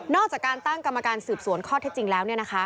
จากการตั้งกรรมการสืบสวนข้อเท็จจริงแล้ว